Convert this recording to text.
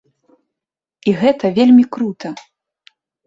І гэта вельмі крута.